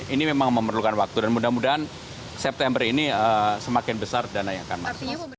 ini memang memerlukan waktu dan mudah mudahan september ini semakin besar dana yang akan mati